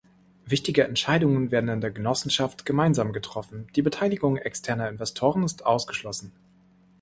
Wichtige Entscheidungen werden in der Genossenschaft gemeinsam getroffen, die Beteiligung externer Investoren ist ausgeschlossen.